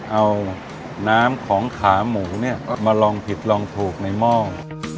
เอาน้ำของขาหมูเนี่ยมาลองผิดลองถูกในหม้อ